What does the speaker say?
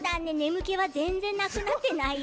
むけはぜんぜんなくなってないよね。